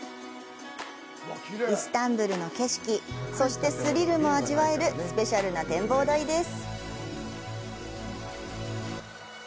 イスタンブールの景色、そして、スリルも味わえるスペシャルな展望台です。